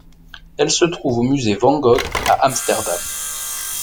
Elle se trouve au musée Van Gogh à Amsterdam.